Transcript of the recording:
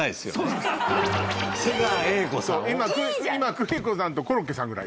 邦子さんとコロッケさんぐらい。